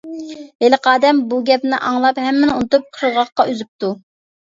ھېلىقى ئادەم بۇ گەپنى ئاڭلاپ ھەممىنى ئۇنتۇپ قىرغاققا ئۈزۈپتۇ.